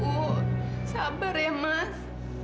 mas harus bertahan